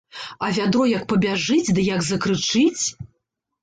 А вядро як пабяжыць ды як закрычыць.